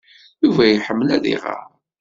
Yuba iḥemmel ad iɣer.